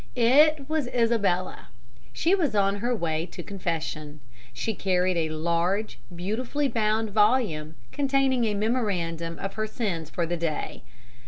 It was Isabella. She was on her way to confession. She carried a large, beautifully bound volume containing a memorandum of her sins for the day.